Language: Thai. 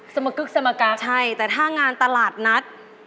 สมกึกสมการใช่แต่ถ้างานตลาดนัด